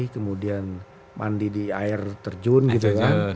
kemudian mandi di air terjun gitu kan